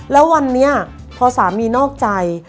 แล้ววันนี้พอสามีนอกใจ